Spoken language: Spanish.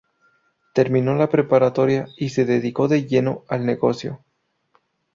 Terminó la preparatoria y se dedicó de lleno al negocio.